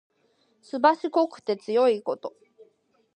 すばしこくて強いこと。